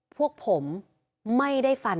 พวกผมไม่ได้ฟันโอ๊ต